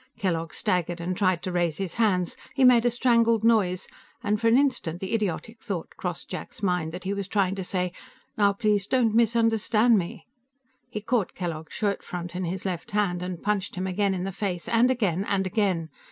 Kellogg staggered and tried to raise his hands; he made a strangled noise, and for an instant the idiotic thought crossed Jack's mind that he was trying to say, "Now, please don't misunderstand me." He caught Kellogg's shirt front in his left hand, and punched him again in the face, and again, and again.